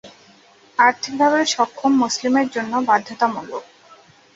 আর্থিকভাবে সক্ষম মুসলিমের জন্য বাধ্যতামূলক।